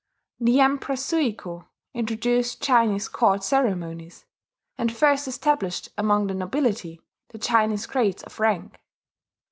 The Empress Suiko introduced Chinese court ceremonies, and first established among the nobility the Chinese grades of rank.